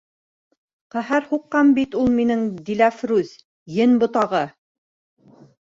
— Ҡәһәр һуҡҡан бит ул минең Диләфрүз, ен ботағы!